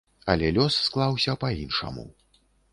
Але лёс склаўся па-іншаму.